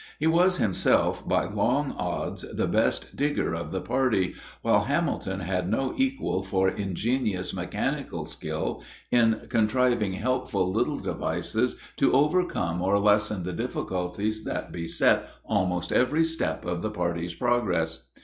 He was himself, by long odds, the best digger of the party; while Hamilton had no equal for ingenious mechanical skill in contriving helpful, little devices to overcome or lessen the difficulties that beset almost every step of the party's progress.